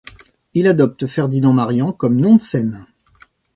Il adopte Ferdinand Marian comme nom de scène.